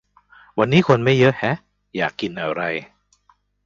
วันนี้คนไม่เยอะแฮะ อยากกินอะไร